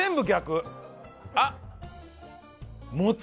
あっ！